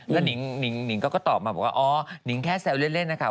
แล้วนิงก็ตอบมาบอกว่าอ๋อนิงแค่แซวเล่นนะคะ